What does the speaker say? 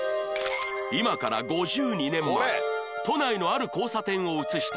今から５２年前都内のある交差点を写した写真